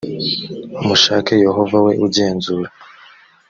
mushake yehova we ugenzura